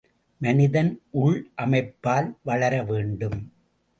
மனிதன் உள் அமைப்பால் வளர வேண்டும்.